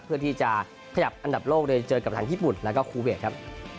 เพื่อที่จะขยับอันดับโลกเลยเจอกับทางญี่ปุ่นแล้วก็คูเวทครับ